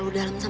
lo udah malam